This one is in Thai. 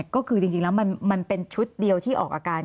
ก็คือจริงแล้วมันเป็นชุดเดียวที่ออกอาการ